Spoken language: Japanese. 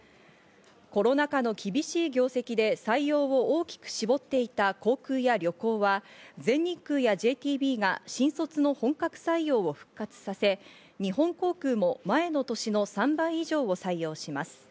コロナ禍の厳しい業績で採用を大きく絞っていた航空や旅行は全日空やＪＴＢが新卒の本格採用を復活させ、日本航空も前の年の３倍以上を採用します。